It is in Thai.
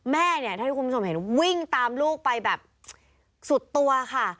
แม่เนี่ยเท่าที่คุณผู้ชมเห็นวิ่งตามลูกไปแบบสุดตัวค่ะ